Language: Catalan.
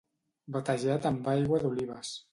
Batejat amb aigua d'olives.